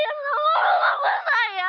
aku mau pergi kemana mana